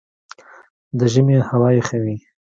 د ژمي هوا یخه وي